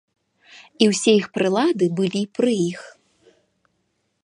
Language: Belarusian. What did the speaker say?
І ўсе іх прылады былі пры іх.